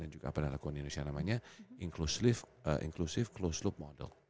dan juga pendakwaan indonesia namanya inclusive closed loop model